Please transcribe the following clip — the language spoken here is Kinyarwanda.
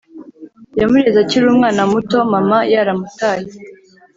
Yamureze akiri umwana muto mama yaramutaye